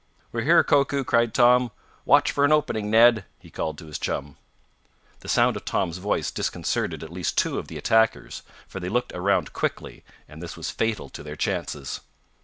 "We're here, Koku!" cried Tom. "Watch for an opening, Ned!" he called to his chum. The sound of Tom's voice disconcerted at least two of the attackers, for they looked around quickly, and this was fatal to their chances.